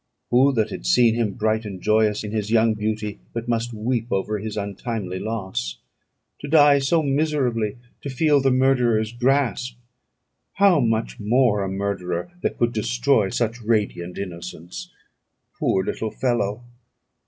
Who that had seen him bright and joyous in his young beauty, but must weep over his untimely loss! To die so miserably; to feel the murderer's grasp! How much more a murderer, that could destroy such radiant innocence! Poor little fellow!